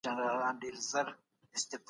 کله به نړیواله ټولنه بهرنۍ پانګونه تایید کړي؟